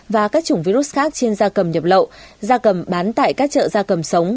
và các chủng virus khác trên da cầm nhập lậu da cầm bán tại các chợ gia cầm sống